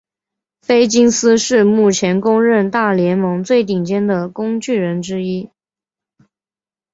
菲金斯是目前公认大联盟最顶尖的工具人之一。